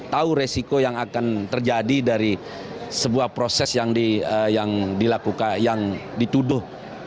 tahu resiko yang akan terjadi dari sebuah proses yang dituduh